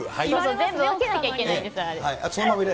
全部分けなきゃいけないんです、今。